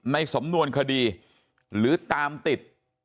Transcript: ในสำนวนคดีหรือตามติด